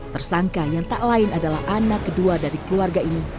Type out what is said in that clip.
tersangka yang tak lain adalah anak kedua dari keluarga ini